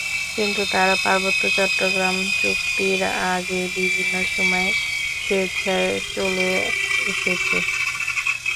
কিন্তু তারা পার্বত্য চট্টগ্রাম চুক্তির আগেই বিভিন্ন সময়ে স্বেচ্ছায় দেশে চলে এসেছে।